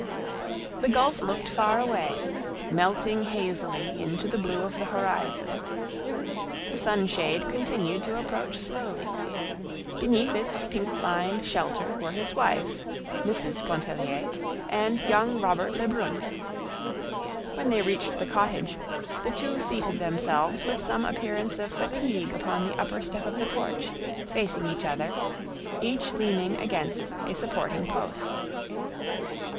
The gulf looked far away, melting hazily into the blue of the horizon. The sunshade continued to approach slowly. Beneath its pink lined shelter were his wife, Mrs. Pontellier, and young Robert Lebrun. When they reached the cottage, the two seated themselves with some appearance of fatigue upon the upper step of the porch, facing each other, each leaning against a supporting post.